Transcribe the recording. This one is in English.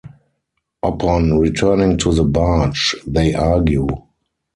Upon returning to the barge, they argue.